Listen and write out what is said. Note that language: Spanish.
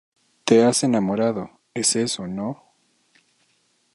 te has enamorado, ¿ es eso, no?